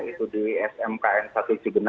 itu di smk n satu ratus tujuh puluh enam